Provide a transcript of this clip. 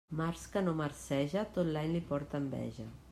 Març que no marceja, tot l'any li porta enveja.